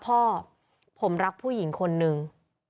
พ่อผมรักผู้หญิงคนนึง